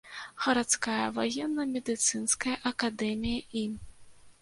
Гарадская ваенна-медыцынская акадэмія ім.